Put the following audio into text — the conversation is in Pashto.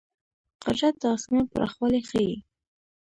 قدرت د آسمان پراخوالی ښيي.